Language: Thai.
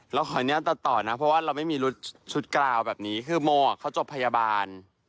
ขออนุญาตตัดต่อนะเพราะว่าเราไม่มีรถชุดกราวแบบนี้คือโมเขาจบพยาบาล